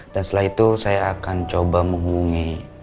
dan setelah itu saya akan coba menghubungi